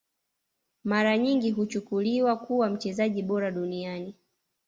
Mara nyingi huchukuliwa kuwa mchezaji bora duniani